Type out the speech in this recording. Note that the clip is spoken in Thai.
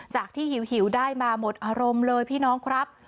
จากที่หิวได้มาหมดอารมณ์เลยพี่น้องครับ